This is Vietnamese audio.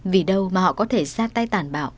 vì đâu mà họ có thể ra tay tàn bạo